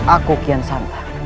aku kian santa